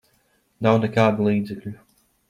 Nav nekādu līdzekļu.